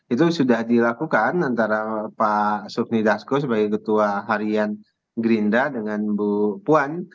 itu sudah dilakukan antara pak sufni dasko sebagai ketua harian gerinda dengan bu puan